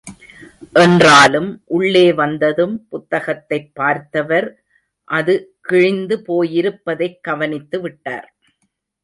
என்றாலும் உள்ளே வந்ததும், புத்தகத்தைப் பார்த்தவர், அது, கிழிந்து போயிருப்பதைக் கவனித்து விட்டார்.